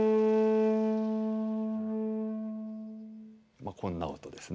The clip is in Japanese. まあこんな音ですね。